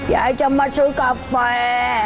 ยายจะมาซื้อกาแฟ